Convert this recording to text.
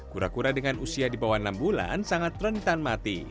kura kura dengan usia di bawah enam bulan sangat rentan mati